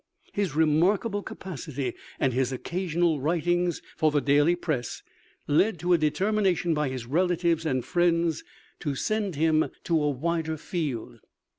His remarkable capacity, and his occasional writings for the daily press, led to a determination by his relatives and friends to send him to a wider field.